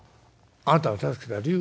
「あなたを助けた理由？